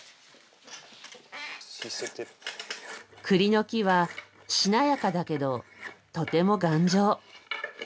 栗の木はしなやかだけどとても頑丈。